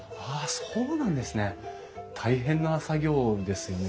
そうなんですよね